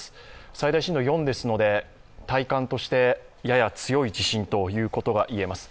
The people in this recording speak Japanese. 最大震度４ですので体感としてやや強い地震ということがいえます。